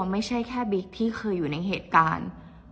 ไม่ใช่แค่บิ๊กที่เคยอยู่ในเหตุการณ์